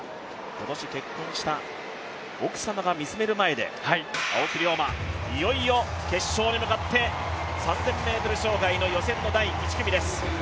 今年結婚した奥様が見つめる前で、青木涼真、いよいよ決勝に向かって、３０００ｍ障害の予選の第１組です。